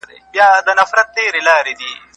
هر دولت او هر قوت لره آفت سته